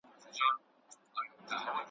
نوم مي دي پر هره مرغلره درلیکلی دی ,